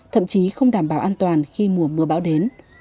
thậm chí không đảm bảo an toàn khi mùa mưa bão đến